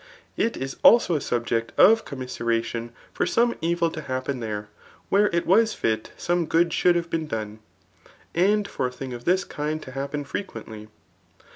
It is also a subject of commiseradon for some evil to happen there, where it was fit some good should have been done. And for a thing of this kind to happen frequently.